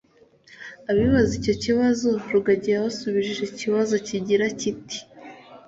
’” Abibaza icyo kibazo Rugagi yabasubirishije ikibazo kigira kiti